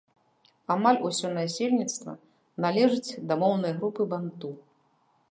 Амаль усё насельніцтва належыць да моўнай групы банту.